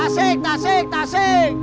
tasik tasik tasik